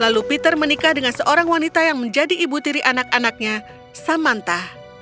lalu peter menikah dengan seorang wanita yang menjadi ibu tiri anak anaknya samantha